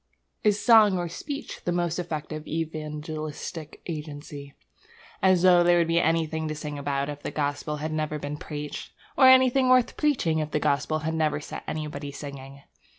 Is song or speech the most effective evangelistic agency? As though there would be anything to sing about if the gospel had never been preached! Or anything worth preaching if the gospel had never set anybody singing!